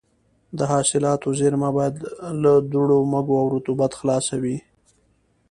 د حاصلاتو زېرمه باید له دوړو، مږو او رطوبت خلاصه وي.